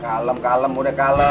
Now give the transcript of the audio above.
kalem kalem udah kalem